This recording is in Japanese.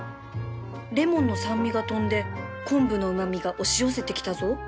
レモンの酸味が飛んでコンブのうま味が押し寄せてきたぞ